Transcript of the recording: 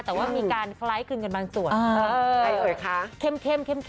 แต่ว่ามีการคล้ายกลับกันบางส่วน